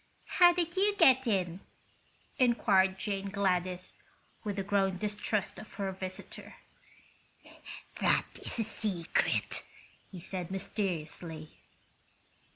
"How did you get in?" inquired Jane Gladys, with a growing distrust of her visitor. "That is a secret," he said, mysteriously.